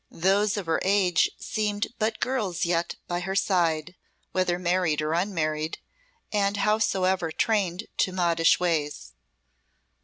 Those of her age seemed but girls yet by her side, whether married or unmarried, and howsoever trained to modish ways.